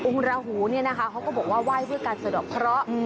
องค์ราหูเขาก็บอกว่าไหว้เพื่อการสะดวกเพราะ